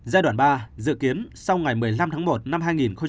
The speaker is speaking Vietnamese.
giai đoạn ba dự kiến sau ngày một mươi năm tháng một năm hai nghìn hai mươi